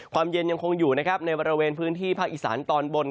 ความเย็นยังคงอยู่นะครับในบริเวณพื้นที่ภาคอีสานตอนบน